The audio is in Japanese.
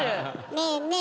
ねえねえ